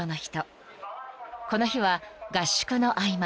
［この日は合宿の合間